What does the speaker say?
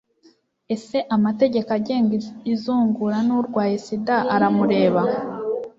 ese amategeko agenga izungura n'urwaye sida aramureba